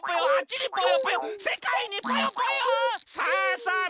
さあさあ